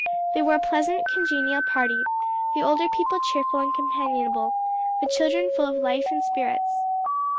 They were a pleasant, congenial party, the older people cheerful and companionable, the children full of life and spirits.